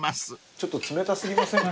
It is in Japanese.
ちょっと冷たすぎませんか？